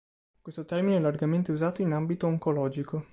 Questo termine è largamente usato in ambito oncologico.